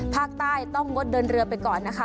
ภาคใต้ต้องงดเดินเรือไปก่อนนะคะ